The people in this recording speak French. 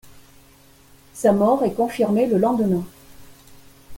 Sa mort est confirmée le lendemain.